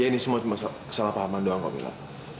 ya ini cuma kesalahpahaman doang kamilah